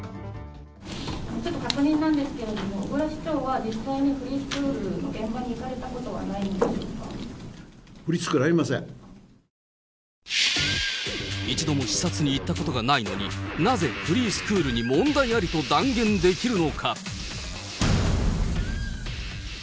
ちょっと確認なんですけれども、小椋市長は、実際にフリースクールの現場に行かれたことはないんでしょうか。一度も視察に行ったことがないのに、なぜフリースクールに問題ありと断言できるのか。